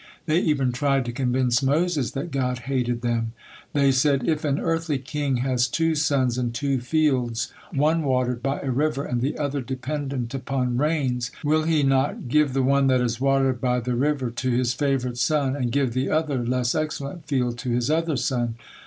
They even tried to convince Moses that God hated them. They said: "If an earthly king has two sons and two fields, on watered by a river, and the other dependent upon rains, will he not five the one that is watered by the river to his favorite son, and give the other, less excellent field to his other son?